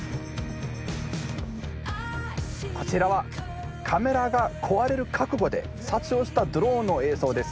こちらはカメラが壊れる覚悟で撮影をしたドローンの映像です。